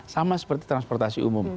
sama seperti transportasi umum